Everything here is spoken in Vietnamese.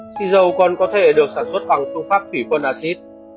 xì dầu còn có thể được sản xuất bằng phương pháp phỉ phân acid